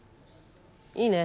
いいね？